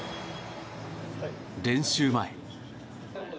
練習前。